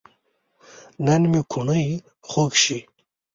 نن مې کوڼۍ خوږ شي